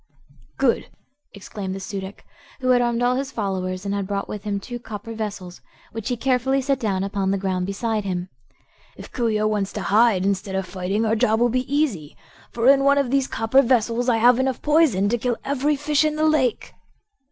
"Good!" exclaimed the Su dic, who had armed all his followers and had brought with him two copper vessels, which he carefully set down upon the ground beside him. "If Coo ee oh wants to hide instead of fighting our job will be easy, for in one of these copper vessels I have enough poison to kill every fish in the lake."